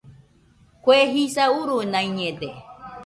Kue jisa urunaiñede